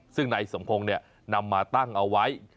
ซึ่งนายสมพงศ์นำมาตั้งเอาไว้